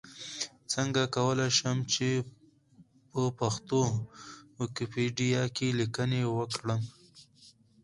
څنګه کولای شم چې پښتو ويکيپېډيا کې ليکنې وکړم؟